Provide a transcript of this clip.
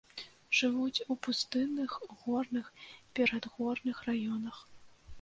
Жывуць у пустынных, горных, перадгорных раёнах.